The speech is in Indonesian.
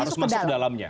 harus masuk ke dalamnya